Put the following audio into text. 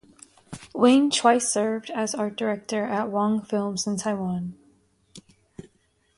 Wayne twice served as art director at Wang Films in Taiwan.